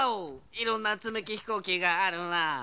いろんなつみきひこうきがあるなあ。